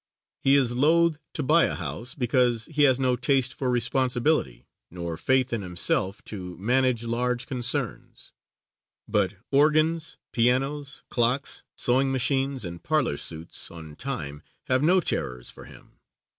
He is loath to buy a house, because he has no taste for responsibility nor faith in himself to manage large concerns; but organs, pianos, clocks, sewing machines and parlor suits, on time, have no terrors for him.